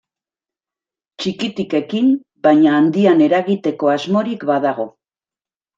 Txikitik ekin baina handian eragiteko asmorik badago.